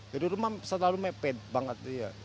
jadi rumah terlalu mepet banget